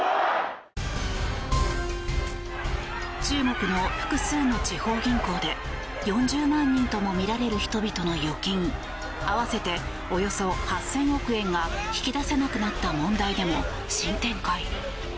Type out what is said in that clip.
中国の複数の地方銀行で４０万人ともみられる人々の預金合わせておよそ８０００億円が引き出せなくなった問題でも新展開。